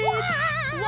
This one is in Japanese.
うわ！